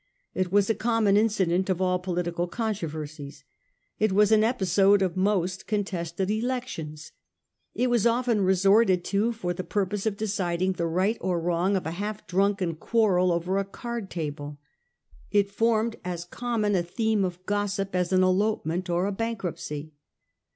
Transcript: It was a common incident of all political controversies. It was an episode of most contested elections. It was often resorted to for the purpose of deciding the right or wrong of a half drunken quarrel over a card table. It formed as co mm on a theme of gossip as an elopement or a bankruptcy.